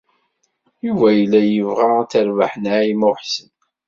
Yuba yella yebɣa ad terbeḥ Naɛima u Ḥsen.